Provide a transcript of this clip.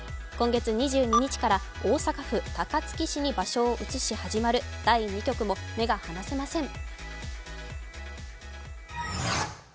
今月２２日から大阪府高槻市に場所を移し始まる第２局も目が離せません。